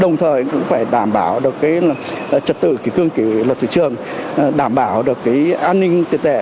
đồng thời cũng phải đảm bảo được trật tự kỷ cương kỷ lập thủy trường đảm bảo được an ninh tiền tệ